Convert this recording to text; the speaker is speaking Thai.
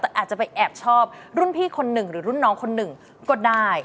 แต่อาจจะไปแอบชอบรุ่นพี่คนหนึ่งหรือรุ่นน้องคนหนึ่งก็ได้